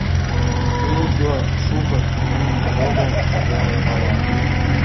Тудо шуко тунемын огыл, шагал пала.